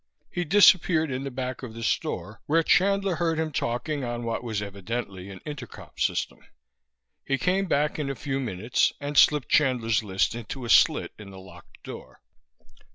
He disappeared in the back of the store, where Chandler heard him talking on what was evidently an intercom system. He came back in a few minutes and slipped Chandler's list into a slit in the locked door.